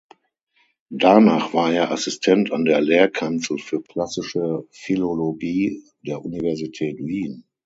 Danach war er Assistent an der Lehrkanzel für Klassische Philologie der Universität Wien.